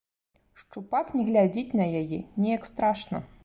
Шчупак не глядзіць на яе, неяк страшна.